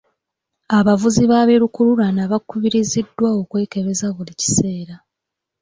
Abavuzi ba bi lukululana bakubiriziddwa okwekebeza buli kiseera.